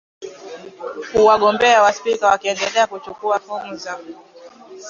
u wagombea wa spika wakietendelea kuchukuwa fomu